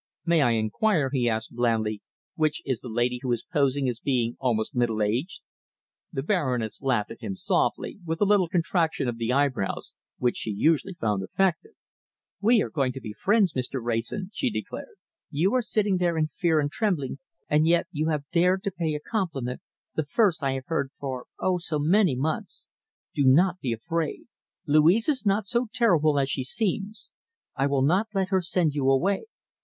"May I inquire," he asked blandly, "which is the lady who is posing as being almost middle aged?" The Baroness laughed at him softly, with a little contraction of the eyebrows, which she usually found effective. "We are going to be friends, Mr. Wrayson," she declared. "You are sitting there in fear and trembling, and yet you have dared to pay a compliment, the first I have heard for, oh! so many months. Do not be afraid. Louise is not so terrible as she seems. I will not let her send you away.